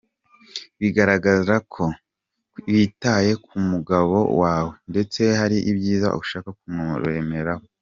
Bigaragazako witaye ku mugabo wawe ndetse hari ibyiza ushaka kumuremamo.